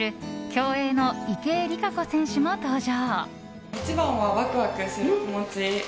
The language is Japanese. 競泳の池江璃花子選手も登場。